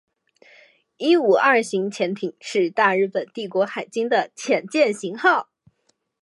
伊五二型潜艇是大日本帝国海军的潜舰型号。